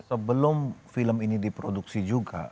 sebelum film ini diproduksi juga